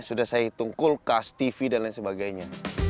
sudah saya hitung kulkas tv dan lain sebagainya